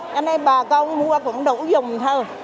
cho nên bà con mua cũng đủ dùng thôi